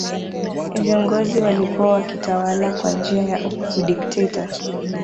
viongozi walikuwa wakitawala kwa njia ya udikteta